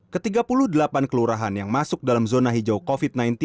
ke tiga puluh delapan kelurahan yang masuk dalam zona hijau covid sembilan belas